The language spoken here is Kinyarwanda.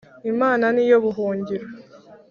Imana niyo buhungiro